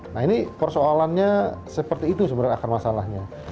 nah ini persoalannya seperti itu sebenarnya akar masalahnya